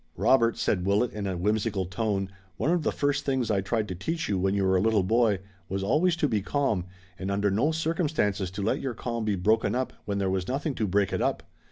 "Robert," said Willet in a whimsical tone, "one of the first things I tried to teach you when you were a little boy was always to be calm, and under no circumstances to let your calm be broken up when there was nothing to break it up.